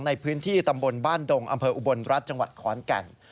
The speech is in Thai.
ในพื้นที่ตำบลบ้านดงอำเภออุบลรัฐจังหวัดขอนแก่น